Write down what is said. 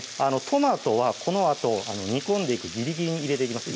トマトはこのあと煮込んでいくギリギリに入れていきます